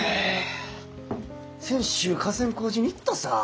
先週河川工事に行ったさ。